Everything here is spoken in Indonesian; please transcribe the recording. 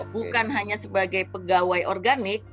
bukan hanya sebagai pegawai organik